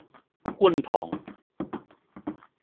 觀塘